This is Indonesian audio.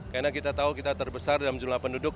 karena kita tahu kita terbesar dalam jumlah penduduk